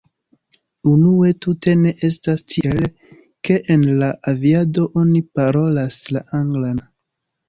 Unue tute ne estas tiel, ke en la aviado oni parolas la anglan.